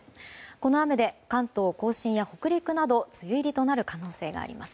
この雨で、関東・甲信や北陸など梅雨入りとなる可能性があります。